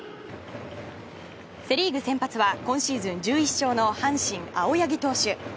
セ・リーグ先発は今シーズン１１勝の阪神、青柳投手。